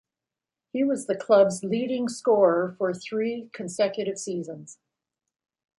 He was the club's leading scorer for three consecutive seasons.